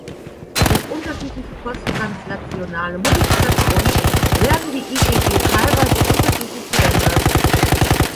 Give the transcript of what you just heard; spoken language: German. Durch unterschiedliche posttranslationale Modifikationen werden die IgG teilweise unterschiedlich verändert.